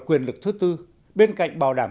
quyền lực thứ tư bên cạnh bảo đảm